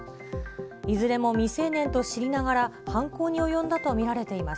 いずれも未成年と知りながら、犯行に及んだと見られています。